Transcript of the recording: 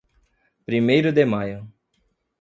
Primeiro de Maio